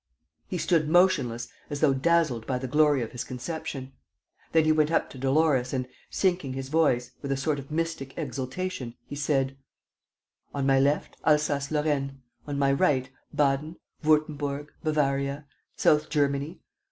He stood motionless, as though dazzled by the glory of his conception. Then he went up to Dolores and, sinking his voice, with a sort of mystic exaltation, he said: "On my left, Alsace Lorraine. ... On my right, Baden, Wurtemburg, Bavaria. ... South Germany